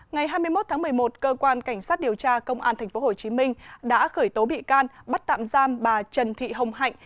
ngày hai mươi một tháng một mươi một cơ quan cảnh sát điều tra công an tp hcm đã khởi tố bị can bắt tạm giam bà trần thị hồng hạnh